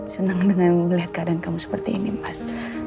senang dengan melihat keadaan kamu seperti ini mas